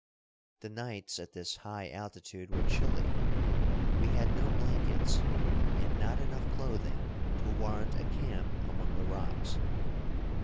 The nights at this high altitude were chilly. We had no blankets, and not enough clothing to warrant a camp among the rocks.